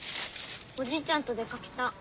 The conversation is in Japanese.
おじいちゃんと出かけた。